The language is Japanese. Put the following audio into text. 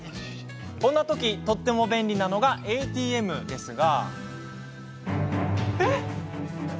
こんなとき、とっても便利なのがＡＴＭですが。